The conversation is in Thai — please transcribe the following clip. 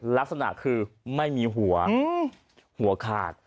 ลักษณะคือไม่มีหัวหัวขาด